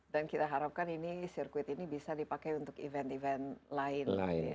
dan kita harapkan sirkuit ini bisa dipakai untuk event event lain